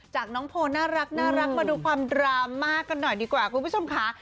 จากน้องโพลน่ารักมาดูความดราม่ากันหน่อยดีกว่าคุณผู้ชมค่ะ